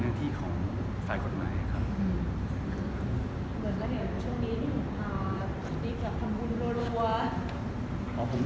แล้วนี่หากงานที่นักฟูเพราะว่ารวรวรวรมดตลอดเวลา